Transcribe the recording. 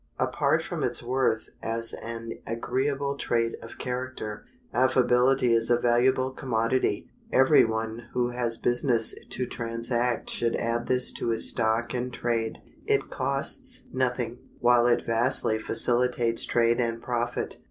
Apart from its worth as an agreeable trait of character, affability is a valuable commodity. Every one who has business to transact should add this to his stock in trade. It costs nothing, while it vastly facilitates trade and profit.